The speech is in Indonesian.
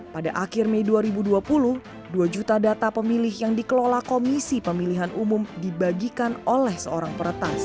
pada akhir mei dua ribu dua puluh dua juta data pemilih yang dikelola komisi pemilihan umum dibagikan oleh seorang peretas